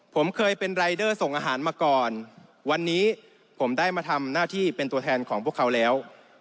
ผมเคยเป็นรายเดอร์ส่งอาหารมาก่อนวันนี้ผมได้มาทำหน้าที่เป็นตัวแทนของพวกเขาแล้ว